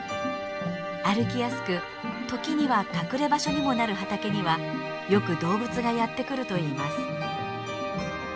歩きやすく時には隠れ場所にもなる畑にはよく動物がやって来るといいます。